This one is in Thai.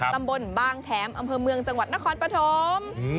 ตำบลบางแขมอำเภอเมืองจังหวัดนครปฐม